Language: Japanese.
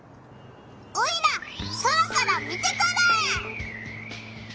オイラ空から見てくる！